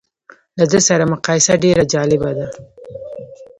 له ده سره مقایسه ډېره جالبه ده.